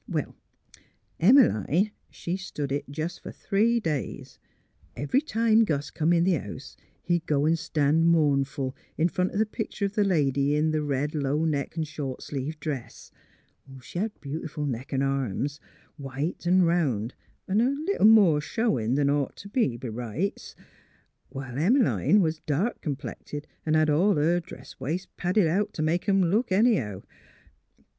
... Well, Em 'line, she stood it fer jes' three days. Every time Gus come in th' house he'd go an' stan' mournful in front o' th' pictur' of the lady in th' red low neck an ' short sleeve dress. She hed beaut 'ful neck an' arms, white an' round, an' a little more ^howin' than ought t' b' rights, while Em'line was dark com plected an' hed all her dress waists padded out t' make 'em look anyhow.